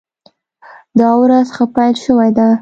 دا ورځ ښه پیل شوې ده.